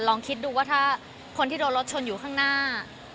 ลองคิดดูว่าถ้าคนที่โดนรถชนอยู่ข้างหน้า